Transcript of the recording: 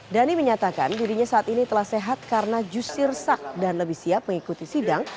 dhani menyatakan dirinya saat ini telah sehat karena jusir sak dan lebih siap mengikuti sidang